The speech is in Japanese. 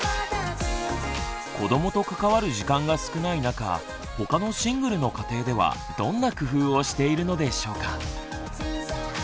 子どもと関わる時間が少ない中他のシングルの家庭ではどんな工夫をしているのでしょうか。